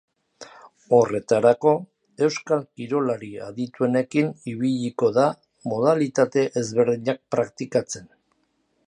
Horretarako, euskal kirolari adituenekin ibiliko da modalitate ezberdinak praktikatzen.